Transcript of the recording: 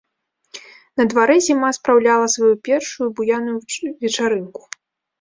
На дварэ зіма спраўляла сваю першую буяную вечарынку.